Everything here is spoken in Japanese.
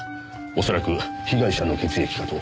恐らく被害者の血液かと。